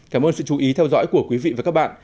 cảm ơn sự chú ý theo dõi của quý vị và các bạn